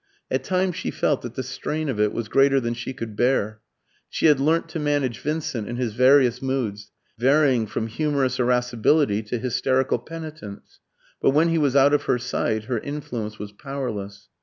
At times she felt that the strain of it was greater than she could bear. She had learnt to manage Vincent in his various moods, varying from humorous irascibility to hysterical penitence; but when he was out of her sight her influence was powerless.